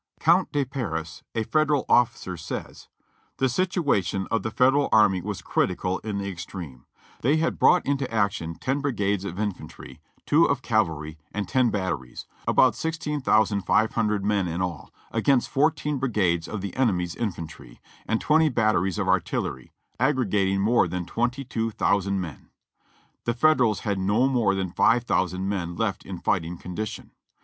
Comte de Paris, a Federal officer, says : "The situation of the Federal army was critical in the ex treme ; they had brought into action ten brigades of infantry, GETTYSBURG 395 two of cavalry, and ten batteries; about sixteen thousand five hundred men in all, against fourteen brigades of the enemy's infantry, and twenty batteries of artillery, aggregating more than twenty two thousand men. "The Federals had no more than five thousand men left in fight ing condition.